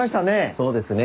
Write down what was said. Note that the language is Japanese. そうですね。